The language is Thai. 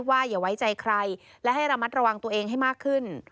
อย่าไว้ใจใครและให้ระมัดระวังตัวเองให้มากขึ้น